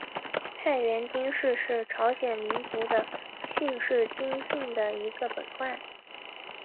太原金氏是朝鲜民族的姓氏金姓的一个本贯。